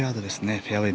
フェアウェー